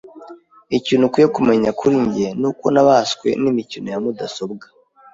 Ikintu ukwiye kumenya kuri njye nuko nabaswe nimikino ya mudasobwa.